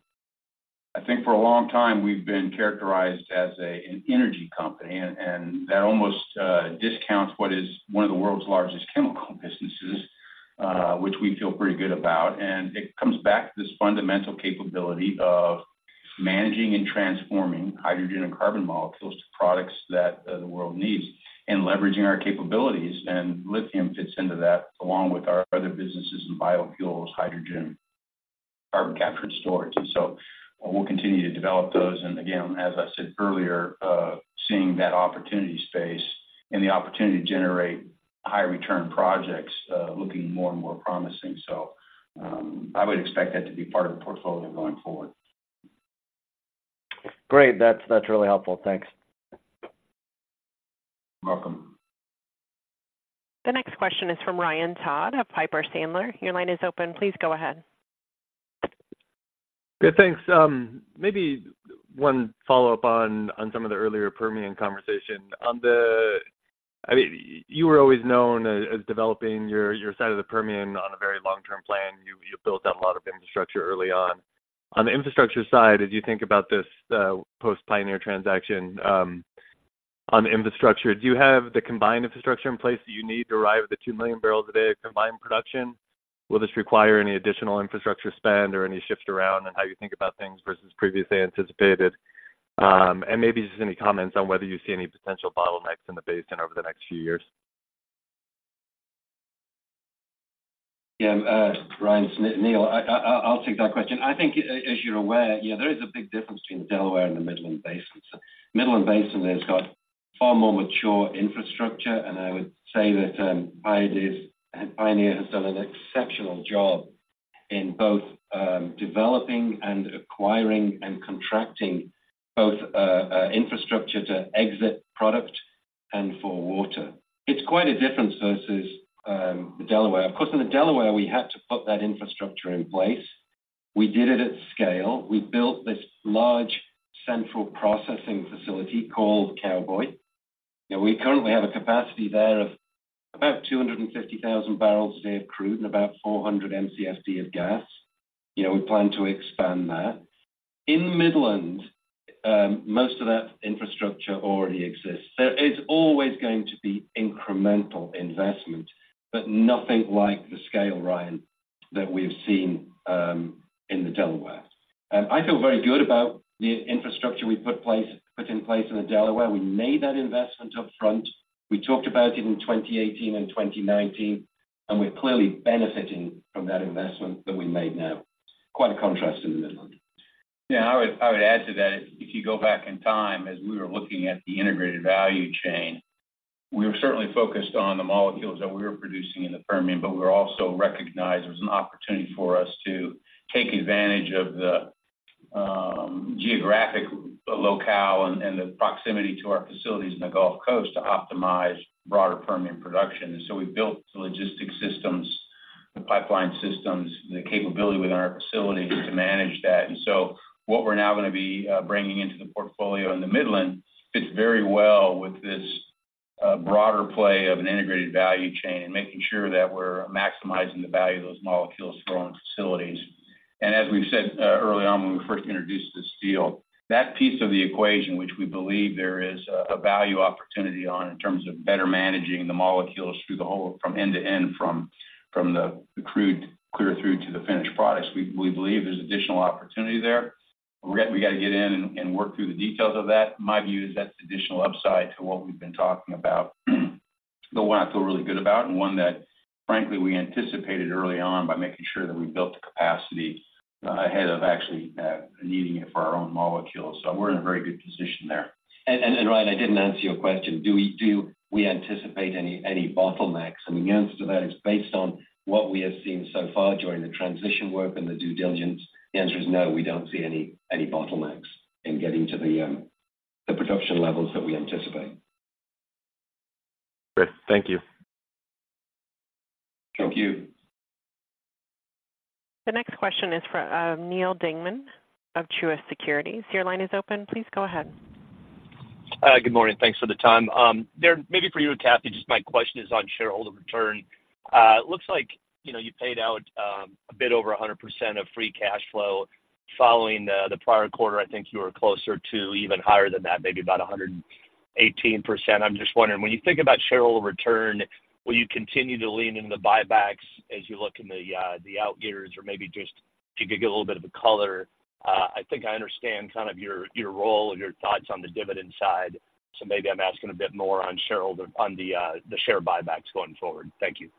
I think for a long time we've been characterized as an energy company, and that almost discounts what is one of the world's largest chemical businesses, which we feel pretty good about. And it comes back to this fundamental capability of managing and transforming hydrogen and carbon molecules to products that the world needs, and leveraging our capabilities, and lithium fits into that, along with our other businesses in biofuels, hydrogen, carbon capture and storage. So we'll continue to develop those. And again, as I said earlier, seeing that opportunity space and the opportunity to generate high return projects looking more and more promising. So I would expect that to be part of the portfolio going forward. Great. That's, that's really helpful. Thanks. You're welcome. The next question is from Ryan Todd of Piper Sandler. Your line is open. Please go ahead. Good, thanks. Maybe one follow-up on some of the earlier Permian conversation. I mean, you were always known as developing your side of the Permian on a very long-term plan. You built out a lot of infrastructure early on. On the infrastructure side, as you think about this post-Pioneer transaction, on the infrastructure, do you have the combined infrastructure in place that you need to arrive at the 2 million barrels a day of combined production? Will this require any additional infrastructure spend or any shift around in how you think about things versus previously anticipated? And maybe just any comments on whether you see any potential bottlenecks in the basin over the next few years. Yeah, Ryan, it's Neil. I'll take that question. I think as you're aware, yeah, there is a big difference between the Delaware and the Midland basins. Midland Basin has got far more mature infrastructure, and I would say that, Pioneer, Pioneer has done an exceptional job in both, developing and acquiring and contracting both, infrastructure to exit product and for water. It's quite a difference versus, the Delaware. Of course, in the Delaware, we had to put that infrastructure in place. We did it at scale. We built this large central processing facility called Cowboy. Now, we currently have a capacity there of about 250,000 barrels a day of crude and about 400 MCFD of gas. You know, we plan to expand that. In the Midland, most of that infrastructure already exists. There is always going to be incremental investment, but nothing like the scale, Ryan, that we've seen in the Delaware. I feel very good about the infrastructure we put in place in the Delaware. We made that investment up front. We talked about it in 2018 and 2019, and we're clearly benefiting from that investment that we made now. Quite a contrast in the Midland. Yeah, I would add to that. If you go back in time, as we were looking at the integrated value chain, we were certainly focused on the molecules that we were producing in the Permian, but we also recognized there was an opportunity for us to take advantage of the geographic locale and the proximity to our facilities in the Gulf Coast to optimize broader Permian production. So we built the logistic systems, the pipeline systems, the capability within our facilities to manage that. And so what we're now gonna be bringing into the portfolio in the Midland fits very well with this broader play of an integrated value chain and making sure that we're maximizing the value of those molecules for our own facilities. And as we've said early on, when we first introduced this deal, that piece of the equation, which we believe there is a value opportunity on in terms of better managing the molecules through the whole, from end to end, from the crude clear through to the finished products, we believe there's additional opportunity there. We got to get in and work through the details of that. My view is that's additional upside to what we've been talking about. The one I feel really good about, and one that frankly, we anticipated early on by making sure that we built the capacity ahead of actually needing it for our own molecules. So we're in a very good position there. And, Ryan, I didn't answer your question. Do we anticipate any bottlenecks? And the answer to that is based on what we have seen so far during the transition work and the due diligence, the answer is no, we don't see any bottlenecks in getting to the production levels that we anticipate. Great. Thank you. Thank you. The next question is from Neil Dingmann of Truist Securities. Your line is open. Please go ahead. Good morning. Thanks for the time. Darren, maybe for you and Kathy, just my question is on shareholder return. It looks like, you know, you paid out a bit over 100% of free cash flow following the prior quarter. I think you were closer to even higher than that, maybe about 118%. I'm just wondering, when you think about shareholder return, will you continue to lean into the buybacks as you look in the out years? Or maybe just if you could give a little bit of a color. I think I understand kind of your role and your thoughts on the dividend side, so maybe I'm asking a bit more on shareholder, on the share buybacks going forward. Thank you.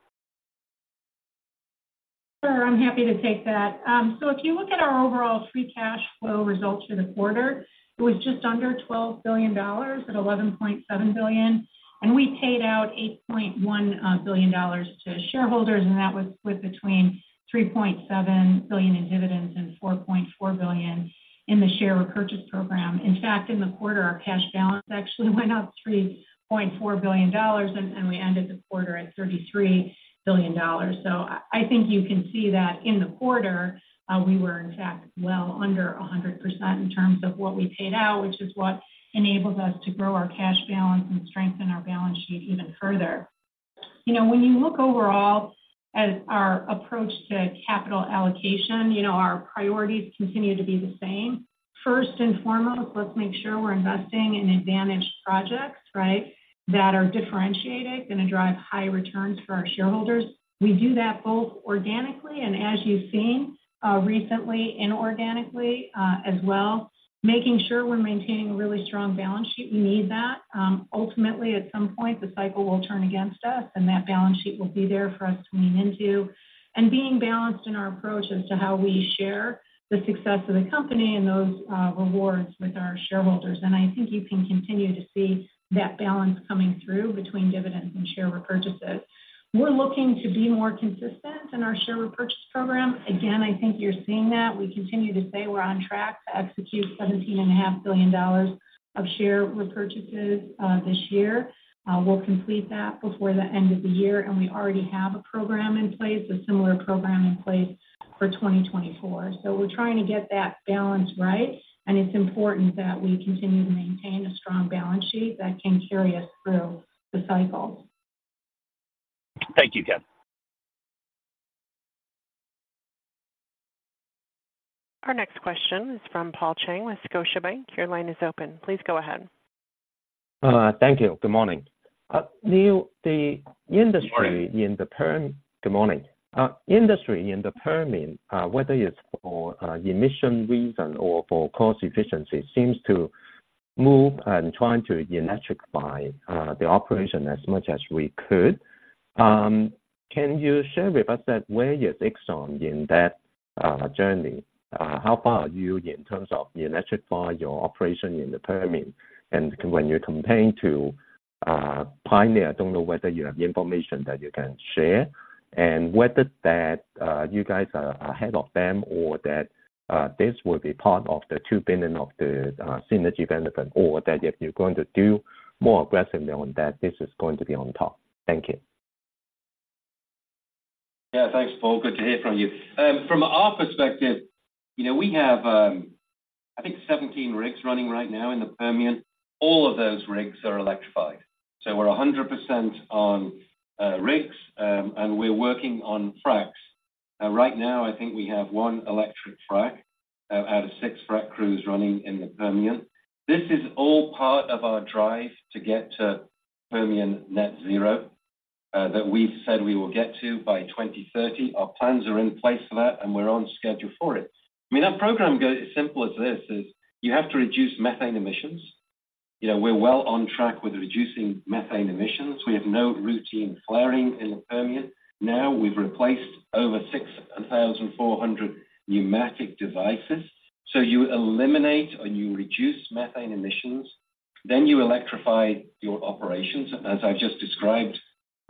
Sure, I'm happy to take that. So if you look at our overall free cash flow results for the quarter, it was just under $12 billion at $11.7 billion, and we paid out $8.1 billion to shareholders, and that was with between $3.7 billion in dividends and $4.4 billion in the share repurchase program. In fact, in the quarter, our cash balance actually went up $3.4 billion, and we ended the quarter at $33 billion. So I think you can see that in the quarter, we were in fact well under 100% in terms of what we paid out, which is what enables us to grow our cash balance and strengthen our balance sheet even further. You know, when you look overall at our approach to capital allocation, you know, our priorities continue to be the same. First and foremost, let's make sure we're investing in advantage projects, right? That are differentiated, gonna drive high returns for our shareholders. We do that both organically and as you've seen, recently, inorganically, as well, making sure we're maintaining a really strong balance sheet. We need that. Ultimately, at some point, the cycle will turn against us, and that balance sheet will be there for us to lean into. And being balanced in our approach as to how we share the success of the company and those, rewards with our shareholders. And I think you can continue to see that balance coming through between dividends and share repurchases. We're looking to be more consistent in our share repurchase program. Again, I think you're seeing that. We continue to say we're on track to execute $17.5 billion of share repurchases this year. We'll complete that before the end of the year, and we already have a program in place, a similar program in place for 2024. So we're trying to get that balance right, and it's important that we continue to maintain a strong balance sheet that can carry us through the cycle. Thank you, Kathy. Our next question is from Paul Cheng with Scotiabank. Your line is open. Please go ahead. Thank you. Good morning. Neil, the industry. Good morning. Good morning. Industry in the Permian, whether it's for emission reason or for cost efficiency, seems to move and trying to electrify the operation as much as we could. Can you share with us that, where is Exxon in that journey? How far are you in terms of electrify your operation in the Permian? And when you compare to Pioneer, I don't know whether you have the information that you can share and whether that you guys are ahead of them or that this will be part of the $2 billion of the synergy benefit, or that if you're going to do more aggressively on that, this is going to be on top. Thank you. Yeah, thanks, Paul. Good to hear from you. From our perspective, you know, we have, I think 17 rigs running right now in the Permian. All of those rigs are electrified. So we're 100% on rigs, and we're working on fracs. Right now, I think we have 1 electric frac out of six frac crews running in the Permian. This is all part of our drive to get to Permian Net Zero that we've said we will get to by 2030. Our plans are in place for that, and we're on schedule for it. I mean, that program goes as simple as this is: you have to reduce methane emissions. You know, we're well on track with reducing methane emissions. We have no routine flaring in the Permian. Now, we've replaced over 6,400 pneumatic devices. So you eliminate or you reduce methane emissions, then you electrify your operations, as I've just described.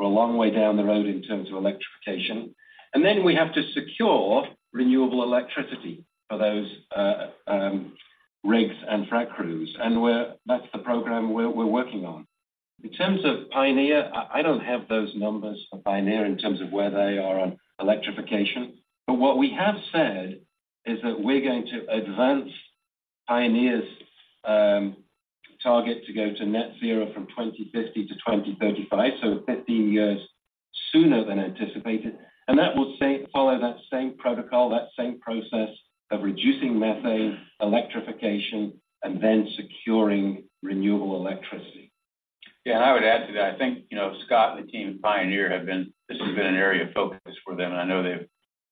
We're a long way down the road in terms of electrification. And then we have to secure renewable electricity for those rigs and frac crews, and we're-- that's the program we're working on. In terms of Pioneer, I don't have those numbers for Pioneer in terms of where they are on electrification, but what we have said is that we're going to advance Pioneer's target to go to Net Zero from 2050 to 2035, so 15 years sooner than anticipated. And that will stay-- follow that same protocol, that same process of reducing methane, electrification, and then securing renewable electricity. Yeah, and I would add to that. I think, you know, Scott and the team at Pioneer have been, this has been an area of focus for them, and I know they've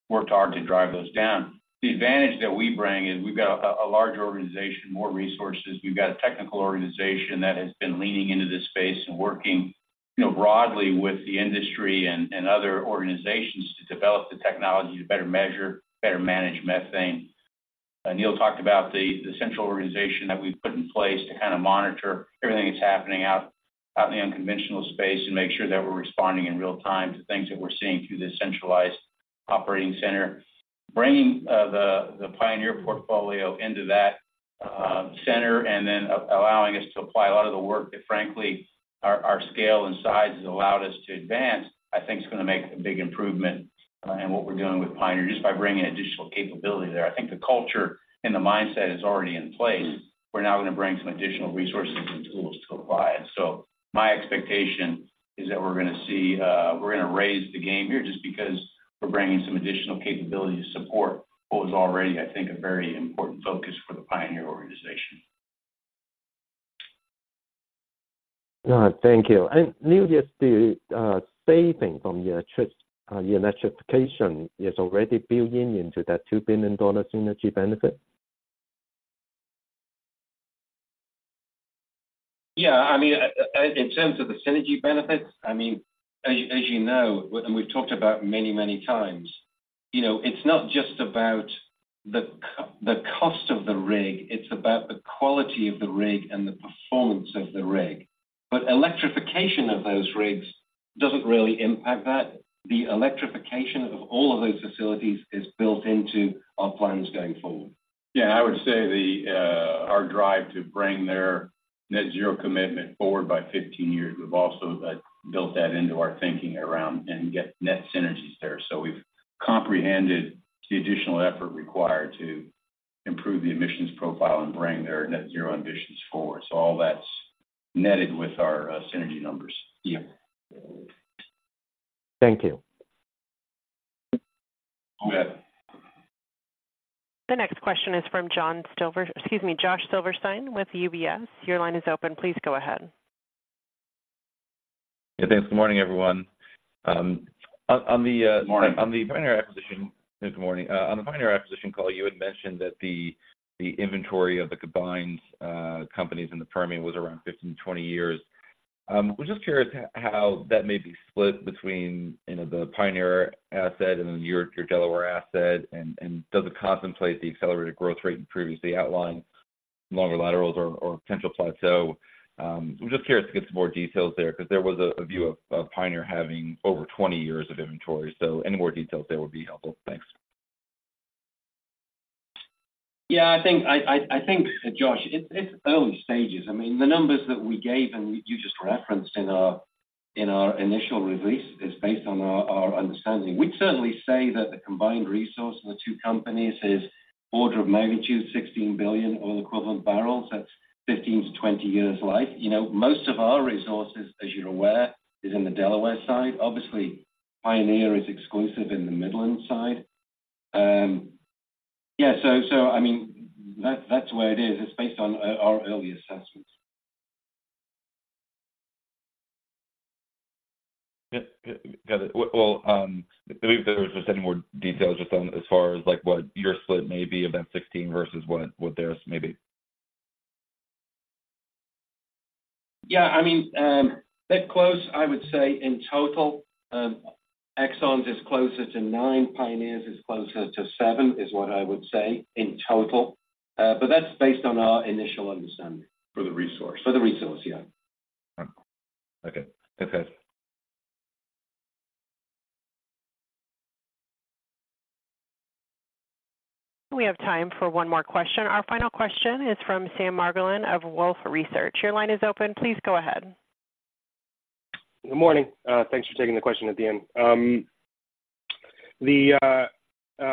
worked hard to drive those down. The advantage that we bring is we've got a, a larger organization, more resources. We've got a technical organization that has been leaning into this space and working, you know, broadly with the industry and, and other organizations to develop the technology to better measure, better manage methane. Neil talked about the, the central organization that we've put in place to kinda monitor everything that's happening out in the unconventional space and make sure that we're responding in real time to things that we're seeing through this centralized operating center. Bringing the Pioneer portfolio into that center and then allowing us to apply a lot of the work that, frankly, our scale and size has allowed us to advance, I think is gonna make a big improvement in what we're doing with Pioneer, just by bringing additional capability there. I think the culture and the mindset is already in place. We're now gonna bring some additional resources and tools to apply it. So my expectation is that we're gonna see, we're gonna raise the game here just because we're bringing some additional capability to support what was already, I think, a very important focus for the Pioneer organization. Thank you. And Neil, is the saving from the electrification already built in into that $2 billion synergy benefit? Yeah, I mean, in terms of the synergy benefits, I mean, as you know, and we've talked about many, many times, you know, it's not just about the cost of the rig, it's about the quality of the rig and the performance of the rig. But electrification of those rigs doesn't really impact that. The electrification of all of those facilities is built into our plans going forward. Yeah, I would say the our drive to bring their Net Zero commitment forward by 15 years, we've also, like, built that into our thinking around and get net synergies there. So we've comprehended the additional effort required to improve the emissions profile and bring their Net Zero ambitions forward. So all that's netted with our synergy numbers. Yeah. Thank you. Go ahead. The next question is from John Silver—excuse me, Josh Silverstein with UBS. Your line is open. Please go ahead. Yeah, thanks. Good morning, everyone. On the, Good morning. On the Pioneer acquisition, good morning. On the Pioneer acquisition call, you had mentioned that the inventory of the combined companies in the Permian was around 15-20 years. We're just curious how that may be split between, you know, the Pioneer asset and then your Delaware asset, and does it contemplate the accelerated growth rate in previously outlined longer laterals or potential plateau? We're just curious to get some more details there, because there was a view of Pioneer having over 20 years of inventory. So any more details there would be helpful. Thanks. Yeah, I think, Josh, it's early stages. I mean, the numbers that we gave, and you just referenced in our initial release, is based on our understanding. We'd certainly say that the combined resource of the two companies is order of magnitude, 16 billion oil-equivalent barrels. That's 15-20 years life. You know, most of our resources, as you're aware, is in the Delaware side. Obviously, Pioneer is exclusive in the Midland side. Yeah, so, I mean, that's the way it is. It's based on our early assessments. Yeah. Got it. Well, if there was just any more details just on as far as, like, what your split may be of that 16 versus what theirs may be. Yeah, I mean, that close, I would say in total, Exxon is closer to nine, Pioneer's is closer to seven, is what I would say in total. But that's based on our initial understanding. For the resource. For the resource, yeah. Okay. Okay. We have time for one more question. Our final question is from Sam Margolin of Wolfe Research. Your line is open. Please go ahead. Good morning. Thanks for taking the question at the end.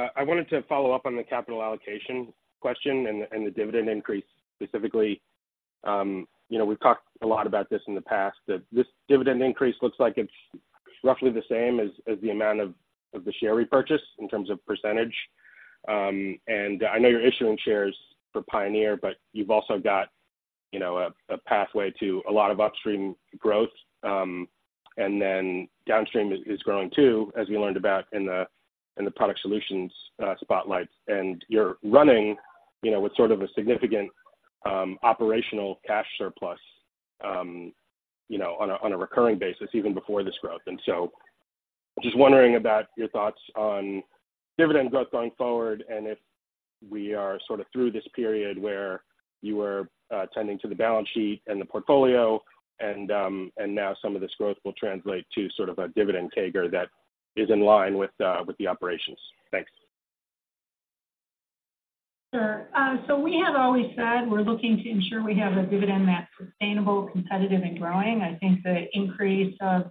I wanted to follow up on the capital allocation question and the dividend increase, specifically. You know, we've talked a lot about this in the past, that this dividend increase looks like it's roughly the same as the amount of the share repurchase in terms of percentage. And I know you're issuing shares for Pioneer, but you've also got, you know, a pathway to a lot of upstream growth. And then downstream is growing, too, as we learned about in the product solutions spotlight. And you're running, you know, with sort of a significant operational cash surplus, you know, on a recurring basis, even before this growth. And so, just wondering about your thoughts on dividend growth going forward, and if we are sort of through this period where you were tending to the balance sheet and the portfolio, and now some of this growth will translate to sort of a dividend tag or that is in line with the operations. Thanks. Sure. So we have always said we're looking to ensure we have a dividend that's sustainable, competitive, and growing. I think the increase of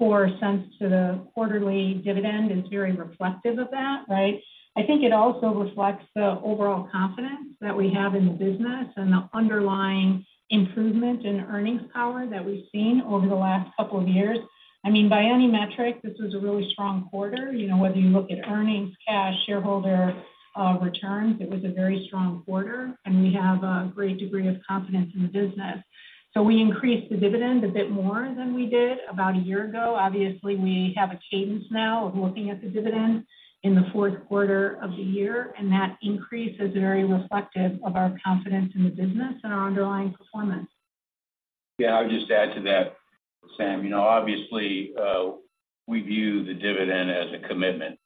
$0.04 to the quarterly dividend is very reflective of that, right? I think it also reflects the overall confidence that we have in the business and the underlying improvement in earnings power that we've seen over the last couple of years. I mean, by any metric, this was a really strong quarter. You know, whether you look at earnings, cash, shareholder returns, it was a very strong quarter, and we have a great degree of confidence in the business. So we increased the dividend a bit more than we did about a year ago. Obviously, we have a cadence now of looking at the dividend in the fourth quarter of the year, and that increase is very reflective of our confidence in the business and our underlying performance. Yeah. I would just add to that, Sam, you know, obviously, we view the dividend as a commitment,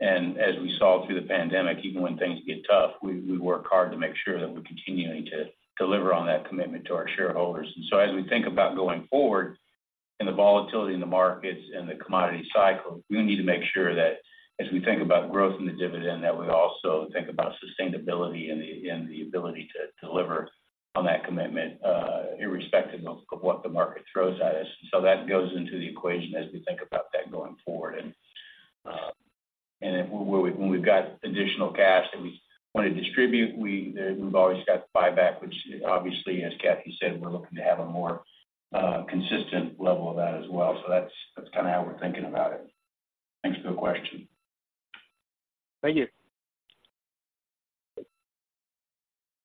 and as we saw through the pandemic, even when things get tough, we work hard to make sure that we're continuing to deliver on that commitment to our shareholders. And so as we think about going forward and the volatility in the markets and the commodity cycle, we need to make sure that as we think about growth in the dividend, that we also think about sustainability and the ability to deliver on that commitment, irrespective of what the market throws at us. So that goes into the equation as we think about that going forward. And, when we've got additional cash that we want to distribute, we've always got buyback, which obviously, as Kathy said, we're looking to have a more consistent level of that as well. So that's kind of how we're thinking about it. Thanks for the question. Thank you.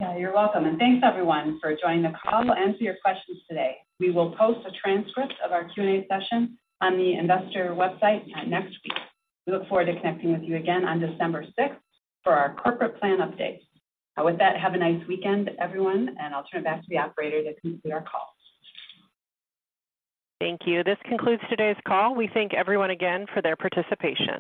Yeah, you're welcome, and thanks, everyone, for joining the call and answer your questions today. We will post a transcript of our Q&A session on the investor website next week. We look forward to connecting with you again on December sixth for our corporate plan update. With that, have a nice weekend, everyone, and I'll turn it back to the operator to conclude our call. Thank you. This concludes today's call. We thank everyone again for their participation.